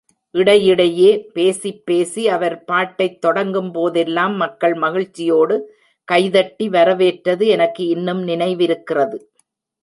இடையிடையே பேசிப் பேசி, அவர் பாட்டைத் தொடங்கும்போதெல்லாம், மக்கள் மகிழ்ச்சியோடு கைதட்டி வரவேற்றது எனக்கு இன்னும் நினைவிருக்கிறது.